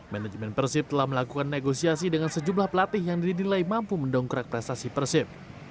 manajemen persib telah melakukan negosiasi dengan sejumlah pelatih yang didilai mampu mendongkrak prestasi persib